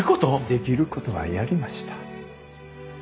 できることはやりました。